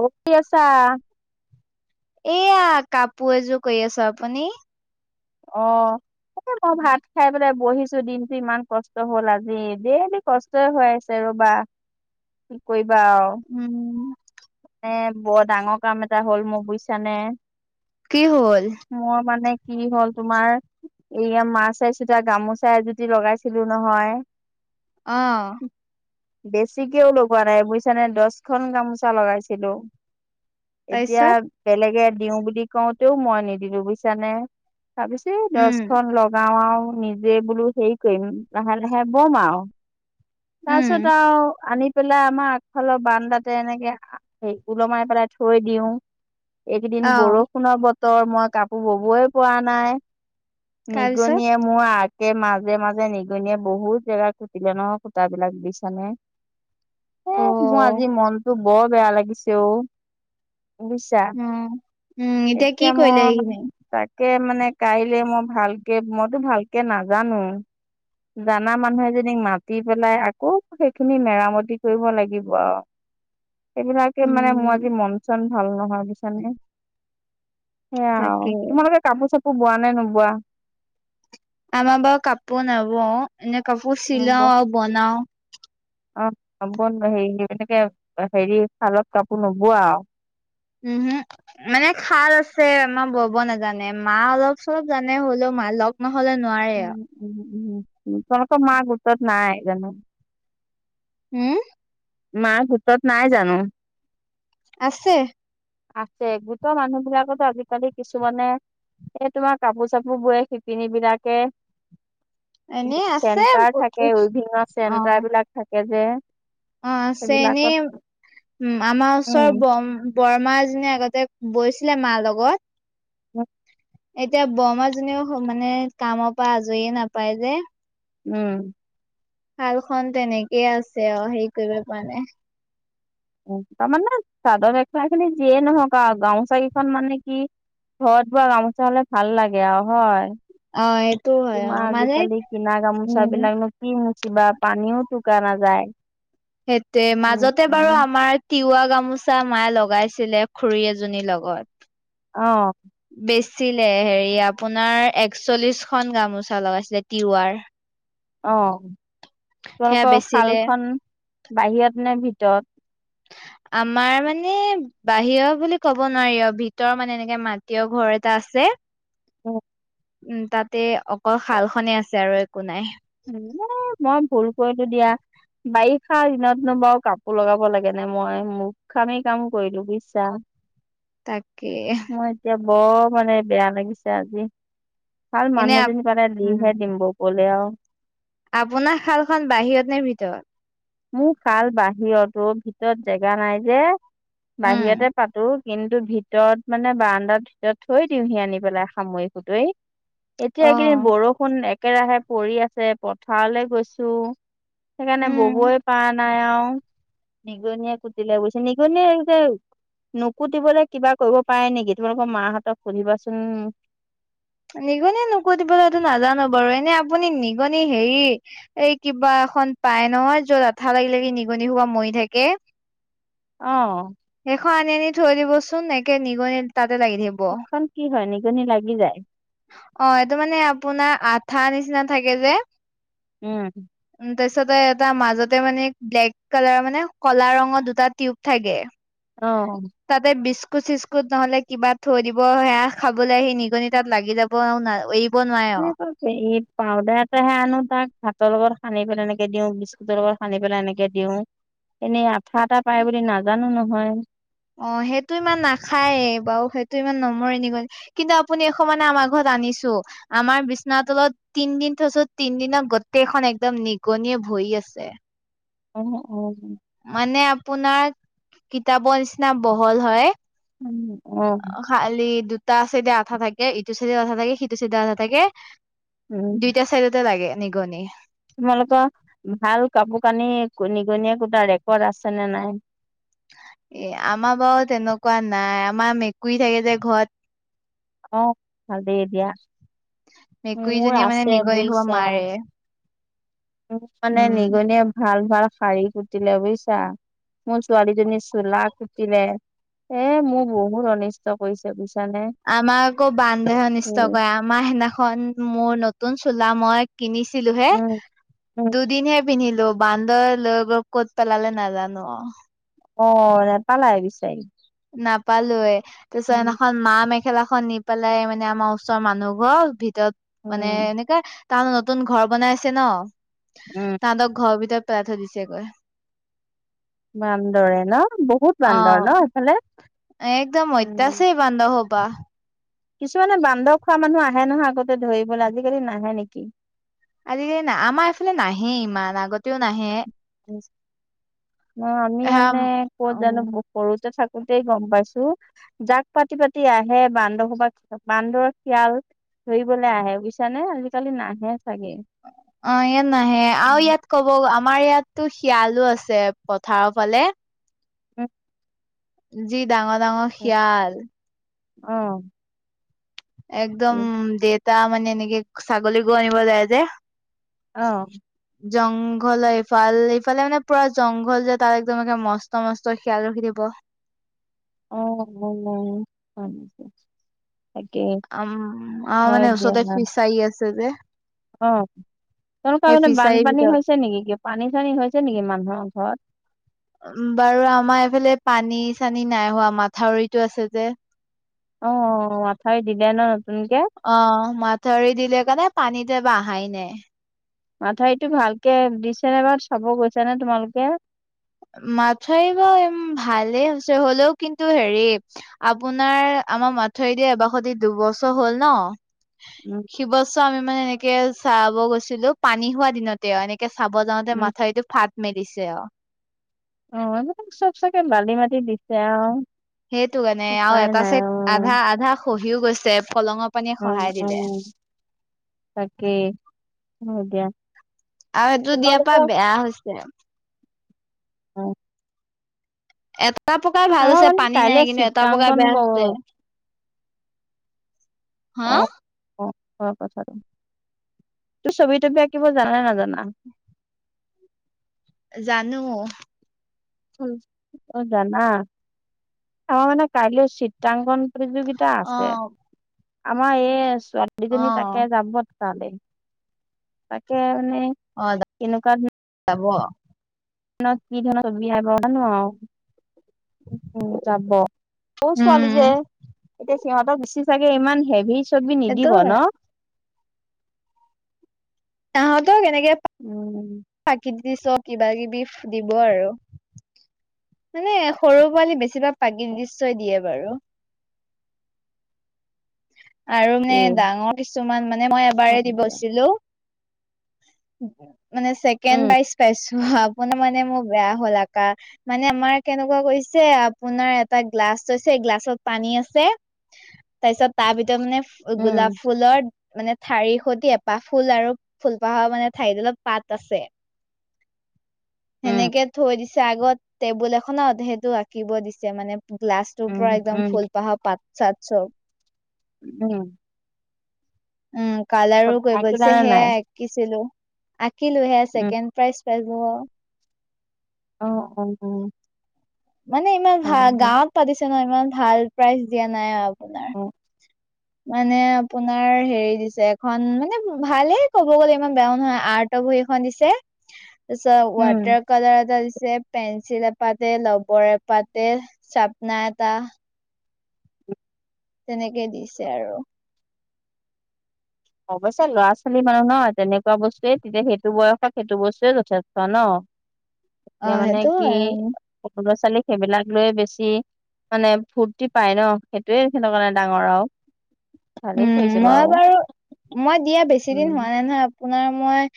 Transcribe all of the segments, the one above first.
Okay আছা এয়া কাপোৰ এযোৰ কৈ আছো আপুনি অহ এ মই ভাত খাই পেলাই বহিছো দিনটো ইমান কষ্ট হ'ল আজি দেলি কষ্টয় হৈ আছে ৰ বা কি কৈ বাৰ উম। এ বৰ ডাঙৰ কাম এটা হ'ল মই বুজিছানে কি হল মোৰ মানে কি হ'ল তোমাৰ এয়া মাছাই চোতিয়া গামোচা এযুটি লগাইছিলো নহয়। অহ বেছিকেও লগোৱা নাই বুজিছানে দহখন গামোচা লগাইছিলো এতিয়া তাৰপিছত? বেলেগে দিওঁ বুলি কওঁতেও মই নিদিলো বুজিছানে তা পিছে উম, দছখন লগাও আৰু নিজে বোলো হেৰি কৰিম লাহে লাহে বম আও উম, তাৰপিছত আও আনি পেলাই আমাৰ আগফালৰ বান তাতে এনেকে ওলমাই পেলাই থৈ দিও এইকেইদিন অ', বৰষুণৰ বতৰ মই কাপোৰ ববই পৰা নাই তাৰপিছত? নিগনি মোৰ আ তে মাজে মাজে নিগুনিয়ে বহুত জেগাত খুটিলে ন সূতা বিলাক বুজিছা নে এ মোৰ অ', আজি মনটো বৰ বেয়া লাগিছে অ বিছা উম, উম, কি এতিয়া কৰিলে মই সেইখিনি? ত মানে কাইলৈ মই ভালকে মইতো ভালকে নাজানো জানা মানুহ এজনীক মাতি পেলাই আকৌ সেইখিনি মেৰামতি কৰিব লাগিব আৰু। [inaudible] সেইবিলাকে মানে মোৰ উম, আজি মন চন ভাল নহয় বুজিছানে সেয়া আৰু তাকে। তোমালোকে কাপোৰ চাপোৰ বোৱা নে নোবোৱা। আমাৰ বাৰু কাপোৰ নবও এনে কাপোৰ নোবোৱা চিলাও আৰু বনাও। হেৰি এনেকে হেৰি শালত কাপোৰ নোবোৱা আৰু। উমহু মানে শাল আছে আমাৰ বব নাজানে মা অলপ চলপ জানে হলেও। মা লগ নহলে নোৱাৰে আৰু। উ তোমালোকৰ মা গোটত নাই জানো। উম মাক গোটত নাই জানো। আছে আছে গোট মানুহ বিলাকতো আজিকালি কিছুমানে এই তোমাৰ কাপোৰ চাপোৰ বোৰে শিপিনী বিলাকে। এনে আছে। চেণ্টাৰ থাকে অ', ওভিঙৰ চেণ্টাৰ বিলাক থাকে যে। অ আছে এনেই সেইবিলাকত আমাৰ ওচৰৰ উম ব বৰমা এজনি আগতে। বৈছিলে মাৰ লগত। অ এতিয়া বৰমাজনিউ মানে কামৰ পৰা আজৰিয়ে নাপায় যে। উম শালখন তেনেকেই আছে আৰু হেৰি কৰিব পৰা নাই। উ তাৰ মানে চাদৰ মেখেলা খিনি যিয়ে নহওক আৰু গামোচা কি খন মানে কি ঘৰত বোৱা গামোচা হলে ভাল লাগে আৰু হয়। অ সেইটো হয় অ তোমাৰ মানে আজিকালি কিনা গামোচা উম বিলাক কি নো কিবা পানীও টোকা নাযায়। সেইটোয়ে উম মাজতে বাৰু উম আমাৰ তিৱা। গামোচা মায় লগাইছিলে খুৰী এজনীৰ লগত। আহ আছিলে হেৰি আপোনাৰ একচল্লিশখনন গামোচা লগাইছিলে তিৱাৰ। অ সেয়া তোমালোকৰ বেচিলে শালখন বাহিৰত নে ভিতৰত [unintelligible] আমাৰ মানে বাহিৰ বুলি ক'ব নোৱাৰি অ ভিতৰ মানে এনেকে মাটিৰ ঘৰ এটা আছে অ উম তাতে অকল শাল খনে আছে আৰু একো নাই মই ভুল কৰিলো দিয়া বাৰিষা দিনতনো বাৰু কাপোৰ লগাব লাগে নে মই মূৰ্খামি কাম কৰিলো বুজিছা। অ তাকে বৰ মানে বেয়া লাগিছে আজি ভাল এনে মানুহ আপ- এজনী পালে উম দিহে দিম ববলে। [unintelligible] আপোনাৰ শালখন বাহিৰত নে ভিতৰত। মোৰ শাল বাহিৰত অ ভিতৰত জেগা নাই যে উম বাহিৰতে পাতো কিন্তু ভিতৰত মানে বাৰাণ্ডা ভিতৰত থৈ দিওঁহি আনি পেলাই সামৰি। কটেই এতিয়া অ এই কেইদিন বৰষুণ একেৰাহে পৰি আছে পথাৰলৈ গৈছো। সেইকাৰণে উম ববই পৰা নাই আৰু। নিগনীয়ে কুটিলে বুইছে নিগনিয়ে যে নুকুতিবলৈ কিবা কৰিব পাৰে নেকি তোমালোকৰ মাহঁতক সুধিবাচোন। নিগনিয়ে নকুটিব সেইটো নাজানো বাৰু এনে আপুনি নিগনি হেৰি এই কিবা খন পাই নয় যত আঠা লাগি লাগি নিগনি হোৱা মৰি থাকে। অ এখন আনি আনি থৈ দিবচোন একে নিগনি তাতে লাগি থাকিব। জনী লাগি যায়। অ এইটো মানে আপোনাৰ আঠা নিচিনা থাকে যে। উম উম তাৰপিছতে এটা মাজতে মানে ব্লেক কালাৰ মানে কলা ৰঙৰ দুটা টিউব থাকে। অ তাতে বিস্কুট স্কুট চিস্কুট নহ'লে কিবা থৈ দিব। সেয়া খাবলৈ সেই নিগনি তাত লাগি যাব আৰু এই কছে এই পাউদাৰ এটাহে আনো তাক ভাতৰ লগত সানি পেলাই এনেকে দিওঁ। বিস্কুটৰ লগত সানি পেলাই এনেকে দিওঁ। এনেই আঠা এটা পায় বুলি নাজানো নহয়। অ সেইটো ইমান নাখায় বাৰু সেইটো ইমান নমৰে নিগনি ।কিন্তু আপুনি এখনানে আমাৰ ঘৰত আনিছো ।আমাৰ বিচনা তলত তিন দিন থৈছো তিন দিনত গোটেইখন একদম নিগনিয় ভৰি আছে। অ অ মানে আপোনাৰ কিতাপৰ নিচিনা বহল হয়। উম অ খালি দু দুটা চাইডে আঠা থাকে ইটো চাইডে আঠা থাকে সিটো চাইডে আঠা থাকে। উম দুইটা চাইডতে লাগে। নিগনি তোমালোকৰ ভাল কাপোৰ কানি নিগনিয়ে কোটা ৰেকৰ্ড আছে নে নাই? এ আমাৰ বাৰু তেনেকুৱা নাই আমাৰ মেকুৰী থাকে যে ঘৰত অ ভাল দে দিয়া। মোৰ মেকুৰীজনীয়ে মানে আছে নিগনি সোপা বুজিছা মাৰে মানে উম নিগনিয়ে ভাল ভাল শাৰী কুটিলে বুজিছা। মোৰ ছোৱালীজনী চোলা কুতিলে। এ মোক বহুত অনিষ্ট কৰিছে বুজিছা। আমাক আকৌ বান্দৰৰহে অনিষ্ট উম কৰে ।আমাৰ সিদিনাখন মোৰ নতুন চোলা মই কিনিছিলো হে উম উম দুদিন হে পিন্ধিলো বান্দৰ লগত ক'ত পেলালে নাজানো। অ নেপালাই বিচাৰি? নাপালোয়ে ।তাৰপিছত উম, সিনাখন মা মে খেলাখন নি পেলাই মানে আমাৰ ওচৰৰ মানুহ ঘৰ ভিতৰত মানে উম, এনেকা তাহত নতুন ঘৰ বনাইছে ন উম তাহতক ঘৰৰ ভিতৰত পেলাই থৈ দিছে গৈ। বান্দৰে ন বহুত অ বান্দৰ ন? একদম ঐতিয়াছে বান্ধ হ'বা কিছুমানে বান্দৰ খোৱা মানুহ আহে নহয়। আগতে ধৰিবলৈ আজিকালি নাহে নেকি? আজিকালি নাহেই। আমাৰ এইফালে নাহে ইমান আগতেও নাহে অ আমি হা মানে ক'ত জানো উম, সৰুতে থাকো গোটেই গম পাইছো জাক পাতি পাতি আহে বান্দৰসোবাক বান্দৰ শিয়াল ধৰিবলৈ আহে বুজিছা নে আজিকালি নাহে। চাগে। অ ইয়াত নাহে আৰু ইয়াত কব আমাৰ ইয়াতো শিয়ালো আছে পথাৰৰ ফালে। উম যি ডাঙৰ ডাঙৰ শিয়াল অহ একদম দেউতা মানে এনেকে ছাগলী গো আনিব যায় যে অহ জংঘল এইফাল ইফালে মানে পুৰা জংঘল যে তাত একদম মানে মস্ত মস্ত শিয়াল ৰখিব [inaudible] অ হয় তাকে উম অ মানে দিয়া ওচৰতে ফিছাৰি আছে যে অ তেনেকোৱা সেই মানে ফিচাৰীৰ বানপানী ভিতৰত হৈছে নেকি কিয় পানী চানী হৈছে নেকি মানুহৰ ঘৰত উ বাৰু আমাৰ এইফালে পানী চানী নাই হোৱা মাথাউৰিতো আছে যে অ আঠাউৰি দিলে ন নতুনকে অ মাঠাউৰি দিলে কাৰণে পানীত এইবাৰ অহাই নাই মাথাৰিটো ভালকে দিছে নে বাৰুত চাব গৈছা নে তোমালোকে মথাউৰি ভালেই হৈছে হলেও কিন্তু হেৰি আপোনাৰ আমাৰ মাথউৰি দি এবাসতি দুবছৰ হল ন উম সিবছৰ আমি মানে এনেকে চাব গৈছিলো পানী হোৱা দিনতে এনেকে তে চাব যাওঁতে উম মাথাউৰিটো ফাট মেলিছে অ অ চব চাগে বালি মাটি দিছে আও সেইটো কাৰণে আৰু এটা চাইট আধা আধা খহিও গৈছে ফলঙৰ পানীয়ে উ খহাই উ দিলে তাকে এতিয়া আৰু সেইটো দিয়াৰ পৰা বেয়া হৈছে অ এটা প্ৰকাৰ ভাল আমাৰ আছে মানে পানী কাইলে নাই কিন্তু এটা চিত্ৰাংকন প্ৰকাৰ বেয়া কৰ হৈছে হা হোৱা কথাটো তোৰ ছবি তবি আঁকিব জানা নে নাজানা জানো উ অ জানা আমাৰ মানে কাইলে চিত্ৰাংগন প্ৰতিযোগিতা অ আছে আমাৰ এই অ ছোৱালীজনী তাকে যাবত তাকে মানে অ কেনেকোৱা যাব [unintelligible] উ যাব সৰু ছোৱালী উম যে এতিয়া সিহঁতক বেছি চাগে ইমান হেভি ছবি নিদিব সেইটো ন তহঁতক এনে উম দি চ কিবা কিবি দিব আৰু মানে সৰু পোৱালি বেছিভাগ প্ৰাকৃতিক দৃশ্যয়ে দিয়ে বাৰু আৰু মানে তাকে ডাঙৰ কিছুমান মানে মই এবাৰে হয় দিয়া দিবছিলো মানে ছেকেণ্ড উম প্ৰাইছ পাইছো আপোনাৰ মানে মোৰ বেয়া হল আকা মানে আমাৰ কেনেকোৱা গৈছে আপোনাৰ এটা গ্লাছ আ ছে গলাছত পানী আছে তাৰপিছত তাৰ ভিতৰত মানে উম গোলাপ ফুলৰ মানে ঠাৰিৰ সৈতে এপাহ ফুল আৰু ফুলপাহৰ মানে ঠাৰিতদালত পাত আছে উম সেনেকে থৈ দিছে আগত টেবুল এখনত সেইটো আঁকিব দিছে মানে গ্লাছটোৰ উম পৰা একদম উম ফুলপাহৰ পাত চাত চব উম উম কালাৰো কৰিব দিছে আঁকিলানে নাই সেয়াই আকিছিলো কি লৈহে উম ছেকেণ্ড প্ৰাইজ প্ৰাই অ অ অ মানে ইমান হয় ভাল দিয়া। গাঁৱত পাতিছে ন ইমান ভাল প্ৰাইজ দিয়া নাই আৰু আপোনাৰ অ মানে আপোনাৰ হেৰি দিছে এখন মানে ভালে ক'ব গ'লে ইমান বেয়াও নহয় আৰ্ট বহি এখন দিছে তাৰ পিছত উম ৱাটাৰ কালাৰ এটা দিছে পেঞ্চিল এপাতে ৰবৰ এপাতে চাপনাৰ এটা তেনেকেই দিছে আৰু অৱশ্যে ল'ৰা ছোৱালী মানুহ নহ তেনেকুৱা বস্তুয়ে তেতিয়া সেইটো বয়সত সেইটো বস্তুৱয়ে যথেষ্ট ন [inaudible] অ এতিয়া মানে সেইটো কি হয় সৰু ল'ৰা ছোৱালীক সেইবিলাক লৈ বেছি মানে ফূৰ্তি পায় ন সেইটোৱে তেখতৰ কাৰণে ডাঙৰ আৰু- ভালেই উম কৰিছে মই বাৰু মই দিয়া বেছি দিন হোৱা উম নাই নহয়- আপোনাৰ মই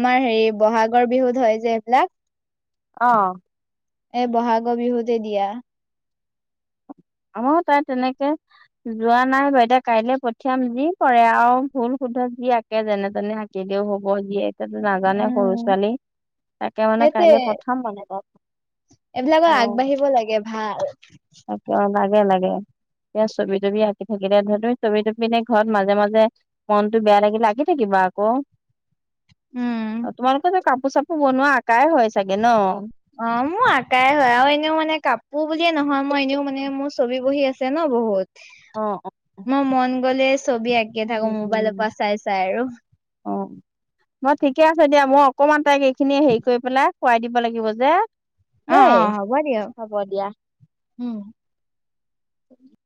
আমাৰ হেৰি বহাগৰ বিহুত হয় যে এইবিলাক- আহ- এ বহাগৰ বিহুতে দিয়া- অ তাই তেনেকে যোৱা নাই বা দে কাইলে পঠিয়াম যি কৰে আৰু ভুল- শুদ্ধ যি আঁকে যেনে তেনে আঁকিলেও হওক- যিয় এতিয়াতো নাজানে সৰু উম ছোৱালী তাকে মানে কাইলৈ পঠাম মানে ত- এইবিলাকো আগবাঢ়িব লাগে ভাল- তাকে লাগে লাগে- এতিয়া ছবি তবি আঁকি থাকিলে ধৰিও ছবি তবি ঘৰত মাজে মাজে মনতটো বেয়া লাগিলে আঁকি থাকিব - প ক- উম অ তোমালোকো যে কাপোৰ চাপোৰ বনোৱা আকাই হয় চাগে ন? অ মোৰ আকাইে হয় আৰু এনেও মানে কাপোৰ বুলিয়ে নহয় মই এনেও মানে মোৰ ছবি বহি আছে ন বহুত- অ অ মই মন গ'লে - ছবি আঁকিয়ে থাকোঁ উম উম মোবাইলৰ পৰা চাই চাই আৰু- ম ঠিকে আছে দিয়া মই অকমান তাইক এইখিনি হেৰি কৰি পেলাই খোৱাই দিব লাগিব যে- অ দেই অ হ'ব দিয়ক হ'ব দিয়া- উম- উ [inaudible]